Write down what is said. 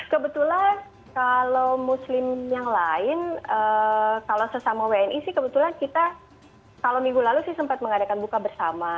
kebetulan kalau muslim yang lain kalau sesama wni sih kebetulan kita kalau minggu lalu sih sempat mengadakan buka bersama